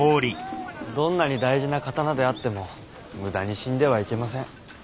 どんなに大事な刀であっても無駄に死んではいけません。